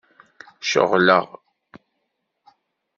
Ceɣleɣ.